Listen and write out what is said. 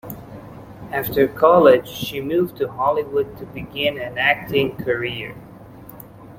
After college she moved to Hollywood to begin an acting career.